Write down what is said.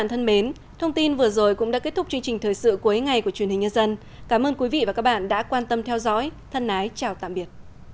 hãy đăng ký kênh để ủng hộ kênh của mình nhé